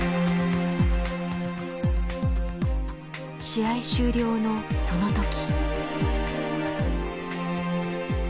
試合終了のその時。